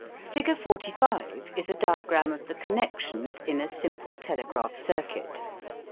Figure 45 is a diagram of the connections in a simple telegraph circuit.